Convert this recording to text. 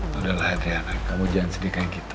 yaudahlah diana kamu jangan sedih kayak gitu